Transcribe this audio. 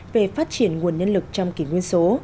về phát triển nguồn nhân lực trong kỷ nguyên số